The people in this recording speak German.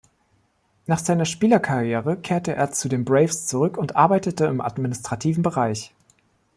Nach seiner Spielerkarriere kehrte er zu den Braves zurück und arbeitete im administrativen Bereich.